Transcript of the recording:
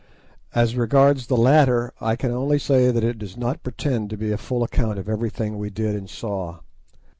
As regards the latter, I can only say that it does not pretend to be a full account of everything we did and saw.